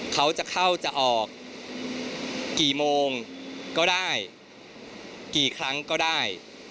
เขาจะเข้าจะออกกี่โมงก็ได้กี่ครั้งก็ได้